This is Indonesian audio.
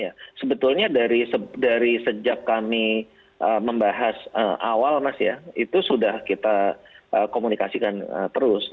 ya sebetulnya dari sejak kami membahas awal mas ya itu sudah kita komunikasikan terus